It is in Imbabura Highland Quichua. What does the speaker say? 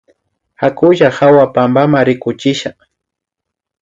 Hakulla hawa pampama rikuchisha